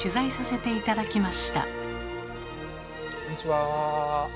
こんにちは。